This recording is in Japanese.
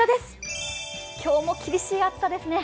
今日も厳しい暑さですね。